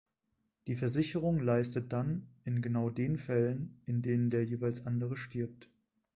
Die Versicherung leistet dann in genau den Fällen, in denen der jeweils andere stirbt.